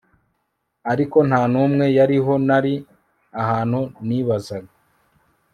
Ariko nta numwe yariho Nari ahantu nibaza